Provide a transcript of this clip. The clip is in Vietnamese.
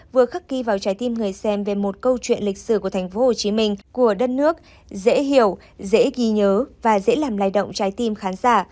vừa khắc ghi vào trái tim người xem về một câu chuyện lịch sử của tp hcm của đất nước dễ hiểu dễ ghi nhớ và dễ làm lay động trái tim khán giả